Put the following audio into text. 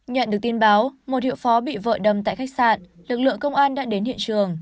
nhận được tin báo một hiệu phó bị vỡ đâm tại khách sạn lực lượng công an đã đến hiện trường